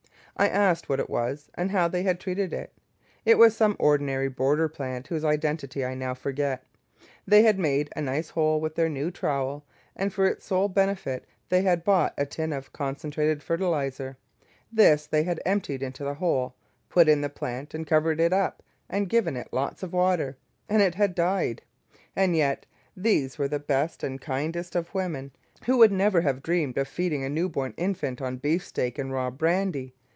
I asked what it was, and how they had treated it. It was some ordinary border plant, whose identity I now forget; they had made a nice hole with their new trowel, and for its sole benefit they had bought a tin of Concentrated Fertiliser. This they had emptied into the hole, put in the plant, and covered it up and given it lots of water, and it had died! And yet these were the best and kindest of women, who would never have dreamed of feeding a new born infant on beefsteaks and raw brandy.